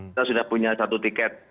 kita sudah punya satu tiket